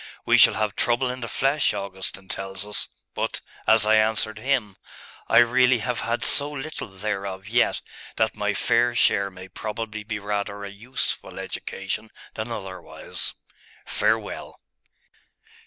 We shall have trouble in the flesh, Augustine tells us.... But, as I answered him, I really have had so little thereof yet, that my fair share may probably be rather a useful education than otherwise. Farewell!